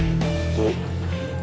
tidak ada apa apa